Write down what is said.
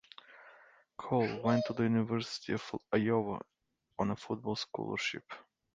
Cole went to the University of Iowa on a football scholarship.